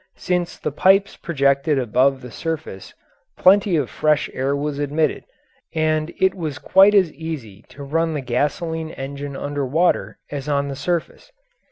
Since the pipes projected above the surface plenty of fresh air was admitted, and it was quite as easy to run the gasoline engine under water as on the surface.